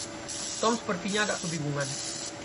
Tom sepertinya agak kebingungan.